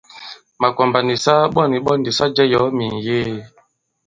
Màkwàmbà nì saa ɓɔ nì ɓɔ ndì ɓa jie i yɔ̀ɔ mì mìyee.